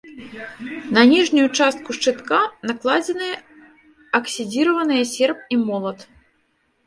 На ніжнюю частку шчытка накладзеныя аксідзіраваныя серп і молат.